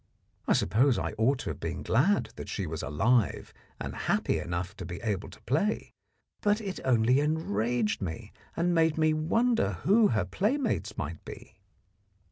I suppose I ought to have been glad that she was alive and happy enough to be able to play, but it only enraged me and made me wonder who her playmates might be.